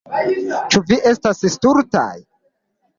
Ĉu vi estas stultaj?